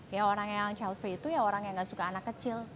ya orang yang chelsea itu ya orang yang gak suka anak kecil